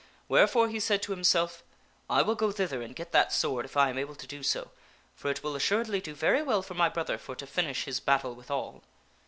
Wherefore he said to himself, " I will go thither and get that sword if I am able to do sD, for it will assuredly do very well for my brother for to finish his battle withal."